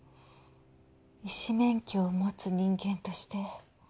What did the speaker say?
「医師免許を持つ人間として」